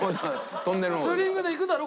ツーリングで行くだろ？